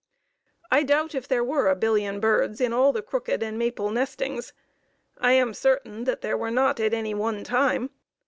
I doubt if there were a billion birds in all the Crooked and Maple nestings. I am certain that there were not at any one time.